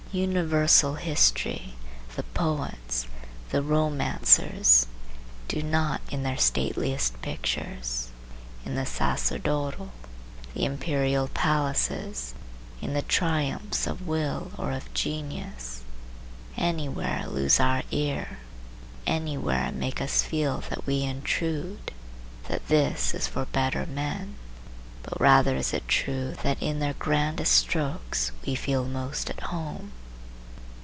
Universal history, the poets, the romancers, do not in their stateliest pictures,—in the sacerdotal, the imperial palaces, in the triumphs of will or of genius,—anywhere lose our ear, anywhere make us feel that we intrude, that this is for better men; but rather is it true that in their grandest strokes we feel most at home.